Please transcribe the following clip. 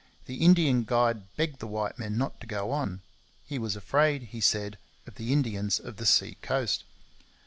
The Indian guide begged the white men not to go on; he was afraid, he said, of the Indians of the sea coast.